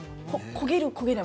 焦げる焦げない